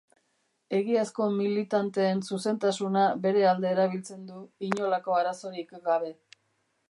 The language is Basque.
Egiazko militanteen zuzentasuna bere alde erabiltzen du inolako arazorik gabe.